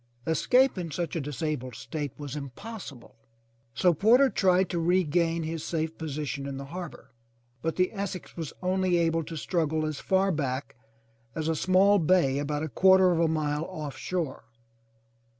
Escape in such a disabled state was im possible, so Porter tried to regain his safe position in the harbor, but the Essex was only able to struggle as far back as a small bay about a quarter of a mile off shore.